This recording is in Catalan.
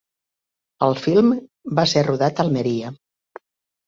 El film va ser rodat a Almeria.